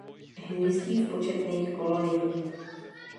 Hnízdí v početných koloniích.